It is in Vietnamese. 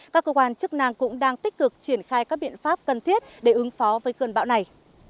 các cơ quan chức năng cũng đang tích cực triển khai các biện pháp cần thiết để ứng phó với cơn bão này